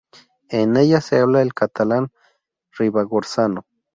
En ella se habla el catalán ribagorzano.